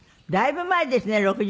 だいぶ前ですね